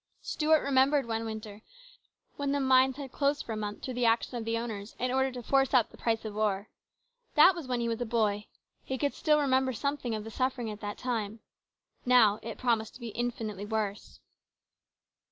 Stuart remembered one winter when the mines had closed for a month through the action of the owners in order to force up the price of ore. That was when he was a boy. He could still remember something of the suffering at that time. Now it promised to be infinitely worse.